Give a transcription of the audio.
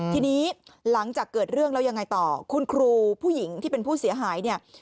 ทีนี้หลังจากเกิดเรื่องแล้วยังไงต่อคุณครูผู้หญิงที่เป็นผู้เสียหายเนี่ย